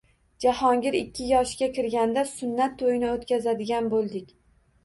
Jahongir ikki yoshga kirganda sunnat to`yini o`tkazadigan bo`ldik